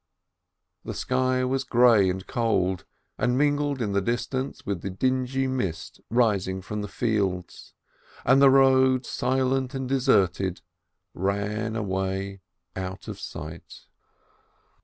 The sky was grey and cold, and mingled in the distance with the dingy mist rising from the fields, and the road, silent and deserted, ran away out of sight.